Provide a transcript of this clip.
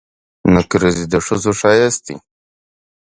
نکریزي د ښځو ښایست دي.